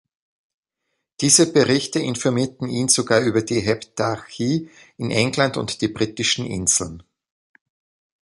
Diese Berichte informierten ihn sogar über die Heptarchie in England und die Britischen Inseln.